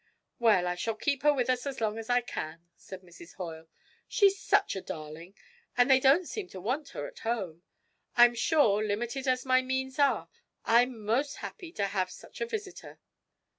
'Well, I shall keep her with us as long as I can,' said Mrs. Hoyle, 'she's such a darling, and they don't seem to want her at home. I'm sure, limited as my means are, I'm most happy to have such a visitor.'